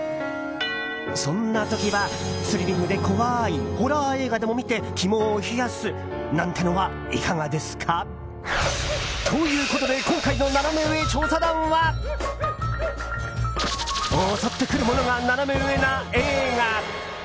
そんな時はスリリングで怖いホラー映画でも見て肝を冷やすなんてのはいかがですか？ということで今回のナナメ上調査団は襲ってくるものがナナメ上な映画！